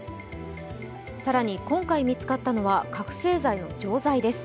更に今回見つかったのは覚醒剤の錠剤です。